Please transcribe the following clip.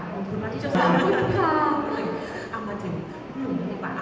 ขอบคุณวาที่เจ้าสาวทุกครั้ง